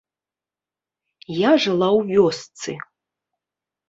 Я жыла ў вёсцы.